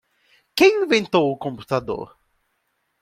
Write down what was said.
Quem inventou o computador?